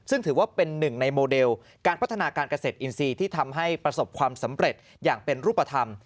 ซึ่งถือว่าเป็นหนึ่งในโมเดลการพัฒนาการเกษตรอินทรีย์ที่ทำให้ประสบความสำเร็จอย่างเป็นรูปธรรม